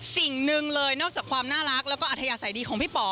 สิ่งหนึ่งเลยนอกจากความน่ารักแล้วก็อัธยาศัยดีของพี่ป๋อ